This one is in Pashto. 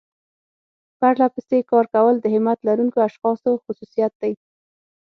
پرلپسې کار کول د همت لرونکو اشخاصو خصوصيت دی.